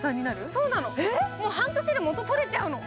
そうなの、半年で元取れちゃうの。